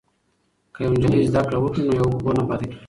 که یوه نجلۍ زده کړه وکړي نو یو کور نه پاتې کیږي.